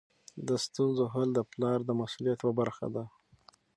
د ستونزو حل د پلار د مسؤلیت یوه برخه ده.